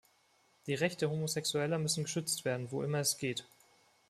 Die Rechte Homosexueller müssen geschützt werden, wo immer es geht.